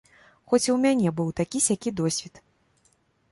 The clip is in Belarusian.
Хоць і ў мяне быў такі-сякі досвед.